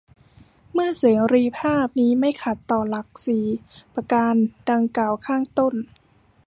เมื่อเสรีภาพนี้ไม่ขัดต่อหลักสี่ประการดั่งกล่าวข้างต้น